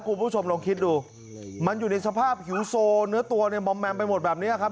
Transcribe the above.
คุณผู้ชมลองคิดดูมันอยู่ในสภาพหิวโซเนื้อตัวเนี่ยมอมแมมไปหมดแบบนี้ครับ